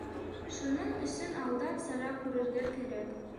Шуның өсөн алдан сара күрергә кәрәк.